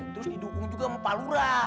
terus didukung juga sama pak lura